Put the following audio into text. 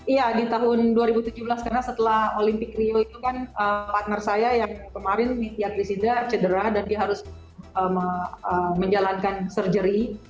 iya di tahun dua ribu tujuh belas karena setelah olimpik rio itu kan partner saya yang kemarin nitia krishida cedera dan dia harus menjalankan surgery